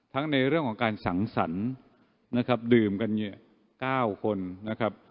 ทั้งในเรื่องของการสั่งสรรนะครับดื่มกันเงียบเก้าคนนะครับ